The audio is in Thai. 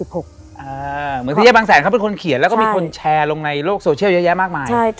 เหมือนสีแยกบางแสนเขาเป็นคนเขียนแล้วก็มีคนแชร์ลงในโลกโซเชียลเยอะมากมายอเรนนี่ใช่